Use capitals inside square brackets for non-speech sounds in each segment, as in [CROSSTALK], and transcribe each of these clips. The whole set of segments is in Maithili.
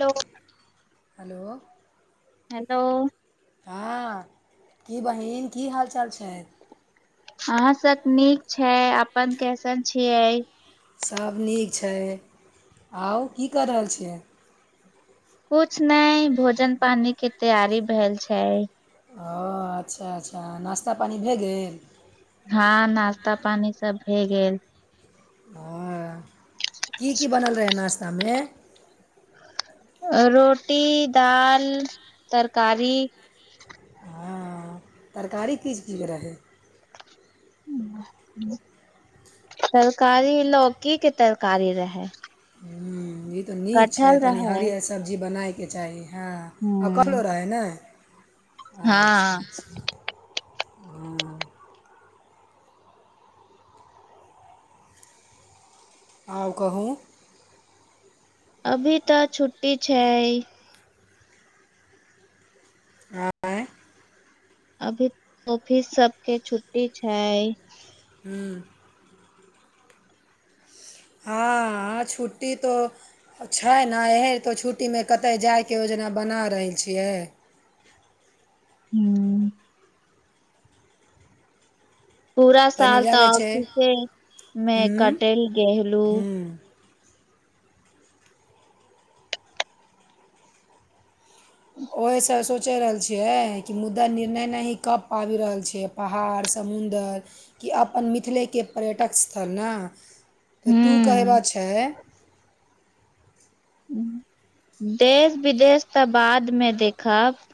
लो हेलो हेलो हँ की बहिन की हाल चाल छै हां सब नीक छै अपन कैसन छियै सब नीक छै आउ की कऽ रहल छियै कुछ नय भोजन पानी के तैयारी भेल छै ओ अच्छा अच्छा नास्ता पानी भए गेल हँ नास्ता पानी सब भए गेल हं की की बनल रहय नास्ता में रोटी दाल तरकारी हँ तरकारी की जके रहै तरकारी लौकी के तरकारी रहय हँ ई तऽ नीक छै तनि रहे हरियस सब्जी बनायके चाही हँ आ कमलो ह रहै ने आच्छा हँ अच्छा हँ आउ कहू अभी तऽ छुट्टी छै आँय अभी ऑफिस सबके छुट्टी छै हूँ हँ अ छुट्टी तो छै न ए तऽ छुट्टी में कतहु जाइके योजना बना रहल छियै हूँ पूरा तनी साल तऽ लगै छै ऑफिसे में हूँ कटल गेहलू हूँ ओहेसँ सोच रहल छियै कि मुद्दा निर्णय नहि कऽ पाबि रहल छियै पहाड़ समुन्दर कि अपन मिथिलेके पर्यटक स्थल न तऽ तू कहयबा हूँ छै देश विदेश तऽ बाद में देखब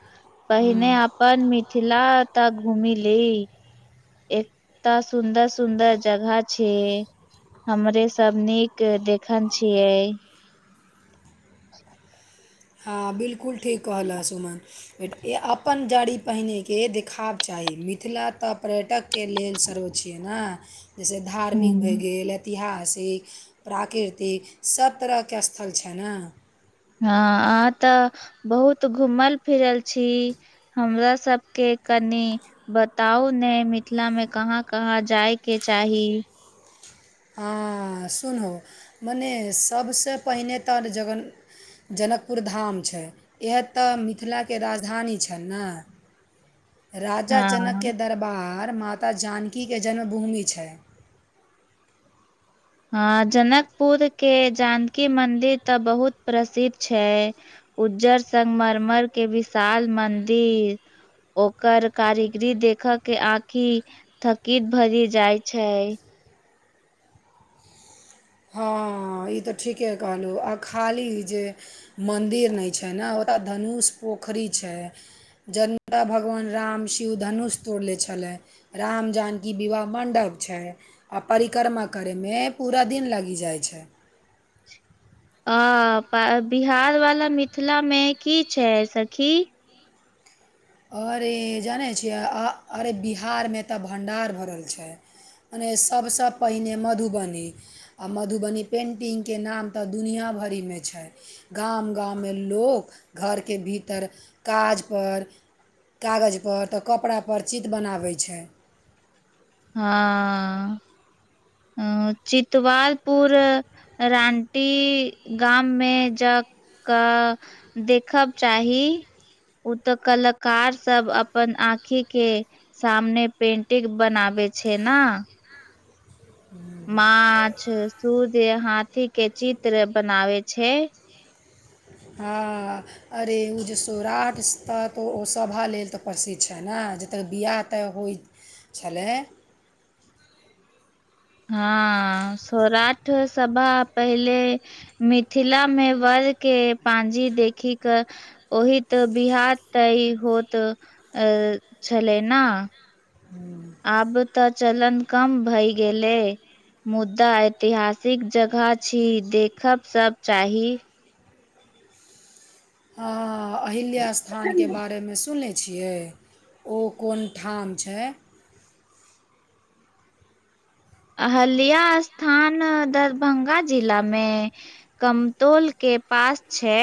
हँ पहिने अपन मिथिला तऽ घूमी ली एकतँ सुन्दर सुन्दर जगह छै हमरे सब नीक देखन छियै हँ बिल्कुल ठीक कहलअ सुमन अपन जड़ी पहिनेके देखाव चाही मिथिला तऽ पर्यटक के लेल शरो छियइ ना जैसे धार्मिक भै हूँ गेल ऐतिहासिक प्राकृतिक सब तरहके स्थल छ न हँ आहाँ तऽ बहुत घूमल फिरल छी हमरा सबके कनि बताउ ने मिथिला में कहाँ कहाँ जाय के चाही हँ सुनहो मने सभसँ पहिने तऽ जगन जनकपुर धाम छै इएह तऽ मिथिलाके राजधानी छन न राजा हँ जनकके दरबार माता जानकीके जन्मभूमि छै हं जनकपुर के जानकी मंदिर तऽ बहुत प्रसिद्ध छै उज्जर संगमरमर के विशाल मन्दिर ओकर कारीगरी देख के आंखि थकित भरी जाय छै हँ ई तऽ ठीके कहलहुँ आ खाली जे मन्दिर नइ छै छै न ओत धनुष पोखरी छै जनता भगवान राम शिव धनुष तोड़ले छलय रामजानकी विवाह मंडप छै आ परिक्रमा करे में पूरा दिन लगे ई जाइ छै अं बिहार वाला मिथिला में की छै सखी अरे जानै छियै अ अरे बिहारमें तऽ भण्डार भरल छै मने सबसँ पहिने मधुबनी आ मधुबनी पेन्टिंग के नाम तऽ दुनिआँ भरिमे छै गाम गाममें लोक घरके भीतर काजपर कागजपर तऽ कपड़ापर चित्र बनाबै छै हँ हँ चितवालपुर रानटी गाममें ज क देखब चाही ओ तऽ कलाकार सब अपन आँखि के सामने पेटिंग बनाबे छे ना माछ सुद हाथी के चित्र बनावे छै हँ अरे उ जे सौराठ तऽ तऽ ओ सभा लेल तऽ प्रसिद्ध छै ने जतय बियाह तऽ होय छलै हँ सौराठ सभा पहिले मिथिला में वर के पाँजी देखी कऽ ओहि तऽ बिहार त ई होत छले ना हूँ आब तऽ चलन कम भई गेलय मुद्दा ऐतिहासिक जगह छी देखब सब चाही हँ अहिल्या स्थानके बारेमें सुनने छियै ओ कोनठाम छै अहल्या स्थान दरभंगा जिला में कमतौल के पास छै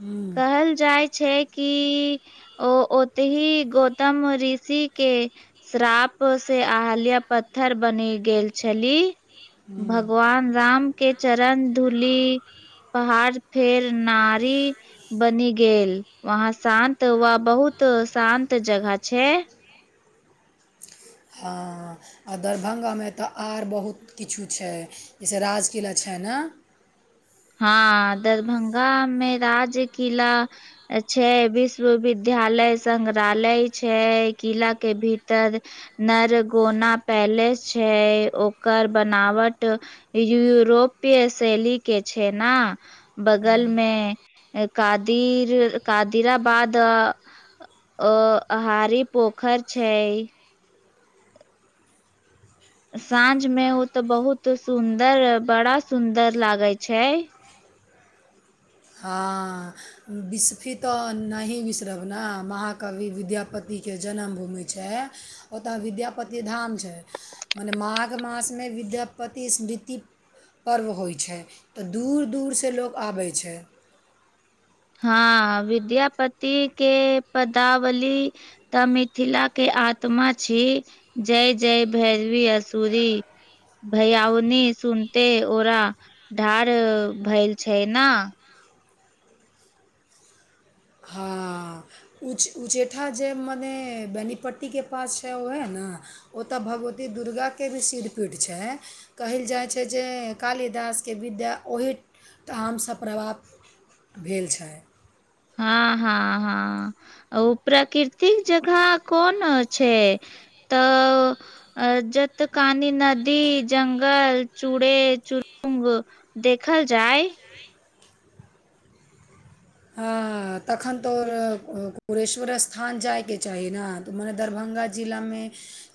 हूँ कहल जाय छै कि ओ ओतहि गौतम ऋषि के श्राप से आहल्या पत्थर बनि गेल छली भ हूँ भगवान राम के चरण धूली पहाड़ फेर नारी बनी गेल वहाँ शान्त व बहुत शान्त जगह छै हँ आ दरभंगा में तऽ आर बहुत किछु छै जैसे राजकिला छै न हँ दरभंगा में राजकिला छै विश्वविद्यालय संग्रहालय छै किला के भीतर नरगोना पैलेस छै ओकर बनावट यूरोपीय शैली के छै ने बगलमे कादिर कादिराबाद अ हारी पोखर छै साँझ में ओ तऽ बहुत सुंदर बड़ा सुंदर लागे छै हँ बिस्फी तऽ नहि बिसरब ने महाकवि विद्यापतिके जन्म भूमि छै ओतऽ विद्यापति धाम छै मने माघ मास में विद्यापति स्मृति पर्व होइ छै तऽ दूर दूरसँ लोग आबै छै हँ विद्यापति के पदावली तऽ मिथिला के आत्मा छी जय जय भैरवी असूरी भैयाउनी सुनते ओरा ढार भेल छै ना उच्च उचैठा जे मने बेनीपट्टीके पास छै ओहै न ओत भगवती दुर्गाके भी सिरपीट छै कहइल जाइ छै जे कालिदासके विद्या ओहीठामसँ प्राप्त भेल छै हँ आ ओ प्राकृर्तिक जगह कोन अ छै त जत तकानी नदी जंगल चूड़े चड़ुंग देखल जाइ हँ तखन तोर कुुरेश्वर स्थान जाइके चाही न त मने दरभंगा जिला मे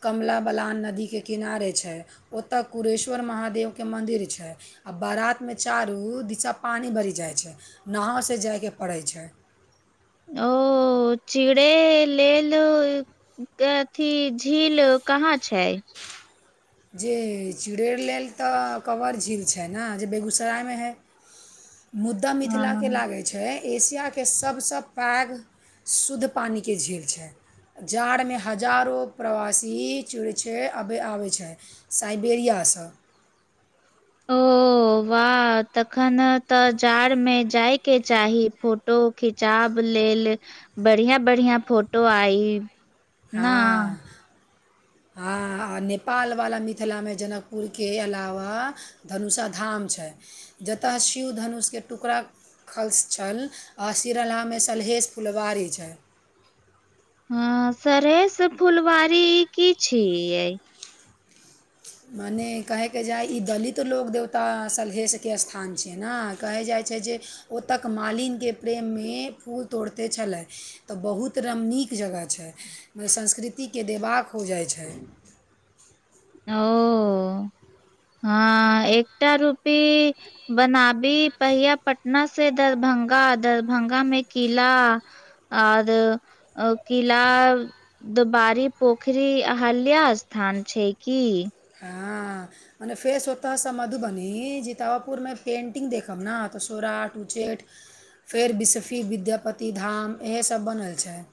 कमला बलान नदीके किनारे छैय ओतय कुरेश्वर महादेवके मन्दिर छैय आ बारात मे चारू दिशा पानि भरि जाइ छै नावसँ जायके पड़ै छै ओ चुड़े ले लो ग अथी झील कहाँ छैय जे चिड़ैर लेल तऽ कबर झील छै न जे बेगूसरायमे हइ [INAUDIBLE] मुद्दा मिथिला के हँ लागै छै एशियाके सबसँ पाघ शुद्ध पानिके झील छैय जाड़ मे हजारो प्रवासी चिड़ु छैय आबे छैय साइबेरिया सँ ओ वाह तखन त जाड़ मे जाय के चाही फोटो खिचाब लेल बढ़िया बढ़िया फोटो आई हँ ना हँ आ नेपाल वला मिथिलामे जनकपुरके अलावा धनुषा धाम छै जतय शिव धनुष के टुकड़ा खल्स छल आ सिरलामे सलहेश फुलवारी छैय ह सरहेस फुलवारी की छीयै मने कहैके जाइ ई दलित लोक देवता सलहेशके स्थान छै न कहल जाइत छै जे ओ तक मालिने प्रेम मे फूल तोड़ते छलय त बहुत रम नीक जगह छै म संस्कृतिके देबाक हो जाइ छैय ओ हँ एकटा रूपी बनाबी पहिआ पटना से दरभंगा दरभंगा मे किला आर किला दबारी पोखरी हल्या स्थान छै की हँ मने फेस होत है से मधुबनी जितावापुरमे पेन्टिंग देखब न त सौराठ उच्चैठ फेर बिसफी विद्यापति धाम इएहे सब बनल छैय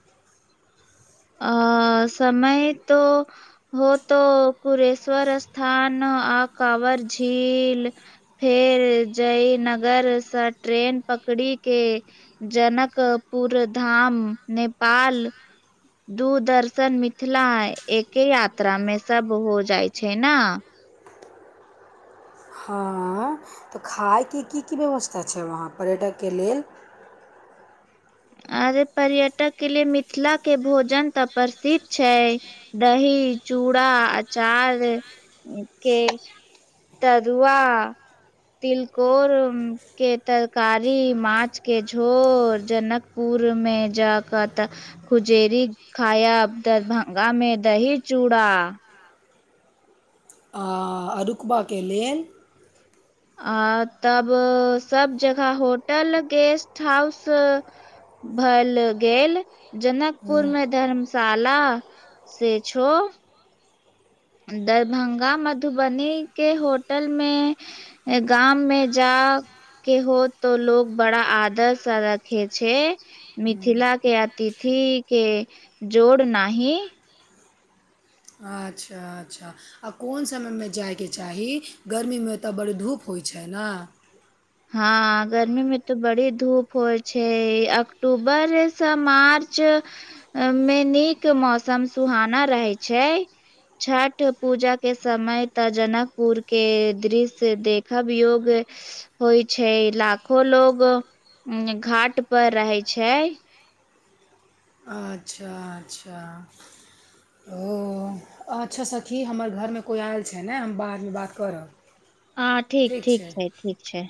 आ समय तो हो तो कुरेश्वर अस्थान न आ काँवर झील फेर जयनगरसँ ट्रेन पकड़ि के जनकपुर धाम नेपाल दूरदर्शन मिथिला एके यात्रा मे सब हो जाइ छै न हँ त खायके की की व्यवस्था छै वहाँ पर्यटक के लेल अरे पर्यटक के लिए मिथिला के भोजन त प्रसिद्ध छैय दही चूड़ा अचार के तरूआ तिलकोर के तरकारी माछ के झोर जनक पुरमे जाक त खुजेरी खायब दरभंगा मे दही चूड़ा आ अरुकबाके लेल आ तब सब जगह होटल गेस्ट हाउस भैल गेल जनकपुर हम्म, मे धर्मशाला से छो दरभंगा मधुबनी के होटल मे गाम मे जाऊ के हो त लोग बड़ा आदर स रखे छै मिथिला के अतिथि के जोड़ नहि अच्छा अच्छा आ कोन समयमे जायके चाही गर्मीमे तय बड़ धूप होइत छै न हँ गर्मी मे तऽ बड़ी धूप होइ छै अक्टूबरसँ मार्च मे नीक मौसम सुहाना रहै छै छठ पूजा के समय तऽ जनकपुर के दृश्य देख अब योग ऐछ होइ छै लाखो लोग घाट पर रहै छै अच्छा अच्छा ओ अच्छा सखी हमर घरमे कोइ आयल छै ने हम बादमे बात करब ह ठीक ठीक छै ठीक छै